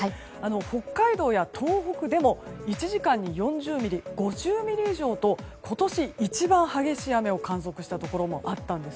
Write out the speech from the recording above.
北海道や東北でも１時間に４０ミリ、５０ミリ以上と今年一番激しい雨を観測したところもありました。